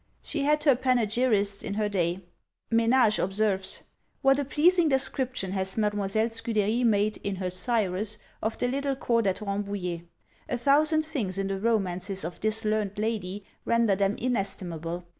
She had her panegyrists in her day: Menage observes "What a pleasing description has Mademoiselle Scudery made, in her Cyrus, of the little court at Rambouillet! A thousand things in the romances of this learned lady render them inestimable.